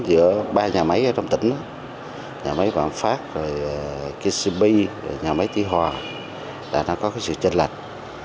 giữa ba nhà máy ở trong tỉnh nhà máy vạn phát kcb nhà máy tuy hòa là nó có sự tranh lệch